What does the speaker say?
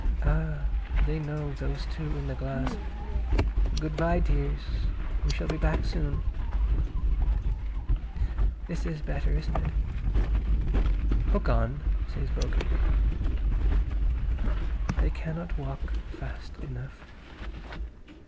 Ah, they know those two in the glass. Good bye, dears; we shall be back soon. "This is better, isn't it?" "Hook on," says Bogey. They cannot walk fast enough.